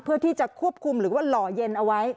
เพื่อที่จะควบคุมหรือว่าหล่อเย็นเอาไว้